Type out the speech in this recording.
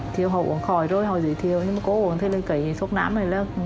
thì họ uống khỏi rồi họ dễ thiếu nhưng mà cô uống thế nên cái thuốc nám này là